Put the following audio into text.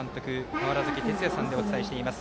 川原崎哲也さんでお伝えしています。